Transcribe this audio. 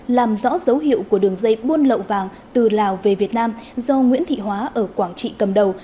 làm rõ dấu hiệu của đường dây buôn lậu vàng từ lào về việt nam do nguyễn thị hóa ở quảng trị cầm đầu